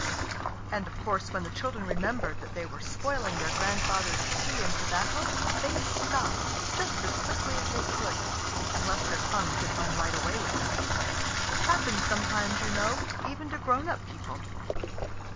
And, of course, when the children remembered that they were spoiling their grandfather's tea and tobacco they stopped just as quickly as they could, unless their tongues had run right away with them which happens sometimes, you know, even to grown up people.